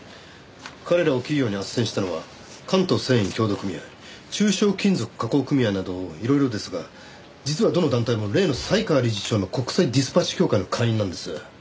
彼らを企業に斡旋したのは関東繊維協同組合中小金属加工組合などいろいろですが実はどの団体も例の犀川理事長の国際ディスパッチ協会の会員なんです。